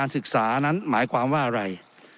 ศึกษานั้นหมายความว่าอะไร